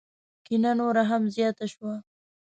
کینه نوره هم زیاته شوه.